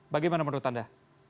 bagaimana menurut anda